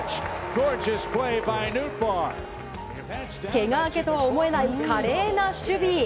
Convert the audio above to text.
けが明けとは思えない華麗な守備。